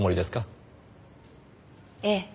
ええ。